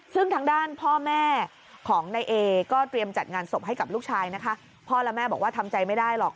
ซึ่งทางด้านพ่อแม่ของนายเอก็เตรียมจัดงานศพให้กับลูกชายนะคะพ่อและแม่บอกว่าทำใจไม่ได้หรอก